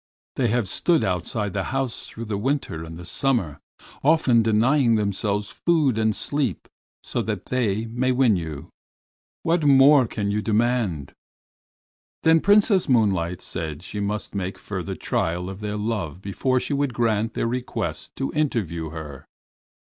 They have stood outside this house through the winter and the summer, often denying themselves food and sleep so that they may win you. What more can you demand?" Then Princess Moonlight said she must make further trial of their love before she would grant their request to interview her.